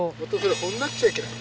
掘んなくちゃいけない。